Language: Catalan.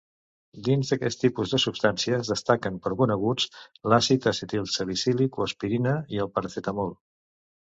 Dins d'aquest tipus de substàncies destaquen per coneguts l'àcid acetilsalicílic o aspirina i el paracetamol.